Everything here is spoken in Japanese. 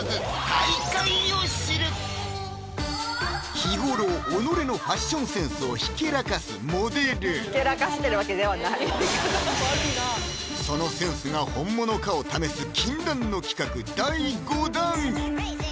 日頃己のファッションセンスをひけらかすモデルひけらかしてるわけではないそのセンスが本物かを試す禁断の企画第５弾！